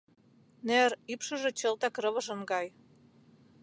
Нер ӱпшыжӧ чылтак рывыжын гай.